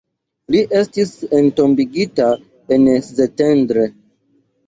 Li estis entombigita en Szentendre.